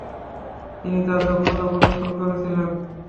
তিনি তার দক্ষতা প্রদর্শন করেছিলেন।